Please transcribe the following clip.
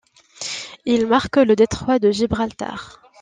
Il marque le Détroit de Gibraltar.